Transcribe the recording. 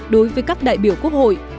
đối với các đại biểu quốc hội